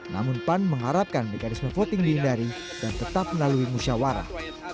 namun pan mengharapkan mekanisme voting dihindari dan tetap melalui musyawarah